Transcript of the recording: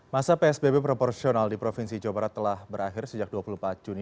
masa psbb proporsional di provinsi jawa barat telah berakhir sejak dua puluh empat juni